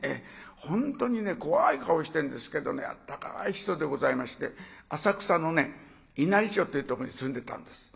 本当にね怖い顔してんですけどあったかい人でございまして浅草の稲荷町ってとこに住んでたんです。